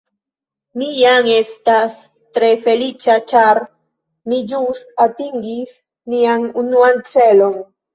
Mi jam estas tre feliĉa ĉar ni ĵus atingis nian unuan celon